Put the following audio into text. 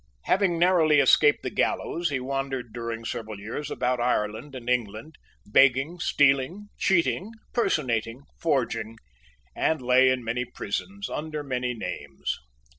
Having narrowly escaped the gallows, he wandered during several years about Ireland and England, begging, stealing, cheating, personating, forging, and lay in many prisons under many names.